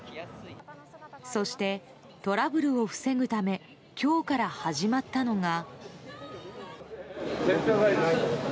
そして、トラブルを防ぐため今日から始まったのが。